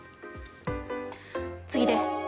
次です。